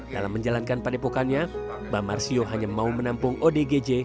dalam menjalankan padepokannya mbah marsio hanya mau menampung odgj